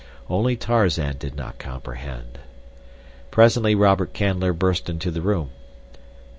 Only Tarzan did not comprehend. Presently Robert Canler burst into the room.